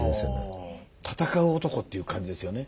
闘う男っていう感じですよね